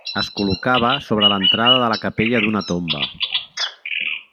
Es col·locava sobre l'entrada de la capella d'una tomba.